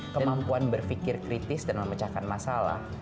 kemampuan berpikir kritis dan memecahkan masalah